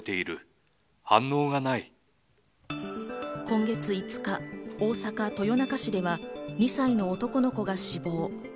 今月５日、大阪・豊中市では２歳の男の子が死亡。